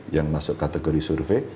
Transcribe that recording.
yang masuk kategori survei